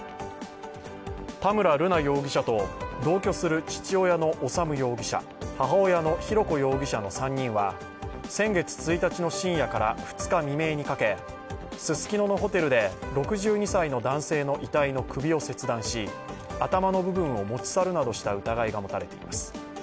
田村瑠奈容疑者と同居する父親の修容疑者、母親の浩子容疑者の３人は先月１日の深夜から２日未明にかけ、ススキノのホテルで６２歳の男性の遺体の首を切断し頭の部分を持ち去るなどした疑いが持たれています。